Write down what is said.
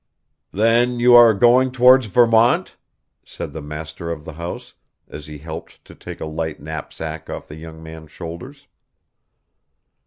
'Then you are going towards Vermont?' said the master of the house, as he helped to take a light knapsack off the young man's shoulders.